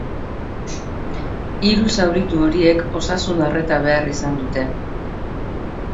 Hiru zauritu horiek osasun arreta behar izan dute.